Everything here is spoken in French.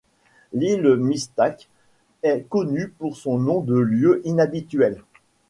L'île Mistake est connue pour son nom de lieu inhabituel.